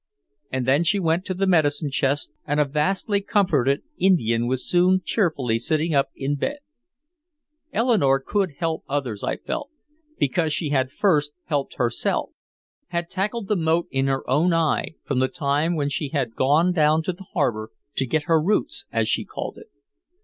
And then she went to the medicine chest, and a vastly comforted Indian was soon cheerfully sitting up in bed. Eleanore could help others, I felt, because she had first helped herself, had tackled the mote in her own eye, from the time when she had gone down to the harbor to get her roots, as she called it.